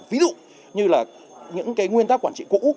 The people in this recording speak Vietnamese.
ví dụ như là những cái nguyên tắc quản trị cũ